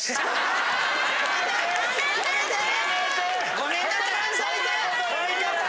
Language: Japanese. ごめんなさい。